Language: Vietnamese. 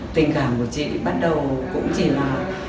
tình cảm của chị bắt đầu cũng chỉ là